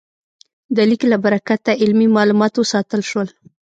د لیک له برکته علمي مالومات وساتل شول.